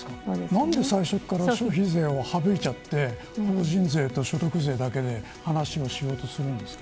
なぜ最初から消費税を省いて法人税と所得税だけで話をしようとするんですか。